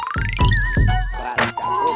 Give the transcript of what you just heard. kabung leather kue